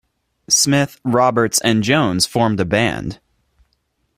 Smith, Roberts and Jones formed a band.